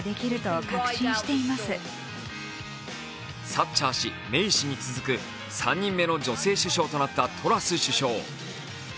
サッチャー氏、メイ氏に続く３人目の女性首相となったトラス首相。